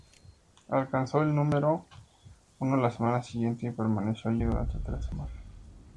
Alcanzó el número uno la semana siguiente y permaneció allí durante tres semanas.